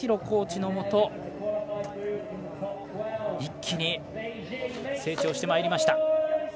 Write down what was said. コーチのもと一気に成長してまいりました。